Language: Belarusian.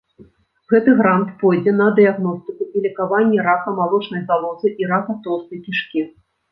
Гэты грант пойдзе на дыягностыку і лекаванне рака малочнай залозы і рака тоўстай кішкі.